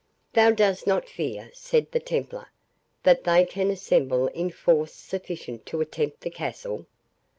"Thou dost not fear," said the Templar, "that they can assemble in force sufficient to attempt the castle?"